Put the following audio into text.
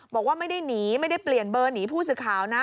บอกว่าไม่ได้หนีไม่ได้เปลี่ยนเบอร์หนีผู้สื่อข่าวนะ